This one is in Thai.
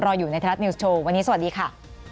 อยู่ในไทยรัฐนิวส์โชว์วันนี้สวัสดีค่ะ